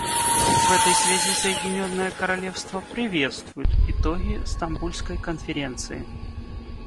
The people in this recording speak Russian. В этой связи Соединенное Королевство приветствует итоги Стамбульской конференции.